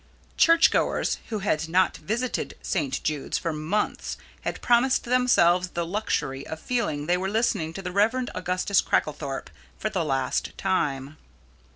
Churchgoers who had not visited St. Jude's for months had promised themselves the luxury of feeling they were listening to the Rev. Augustus Cracklethorpe for the last time.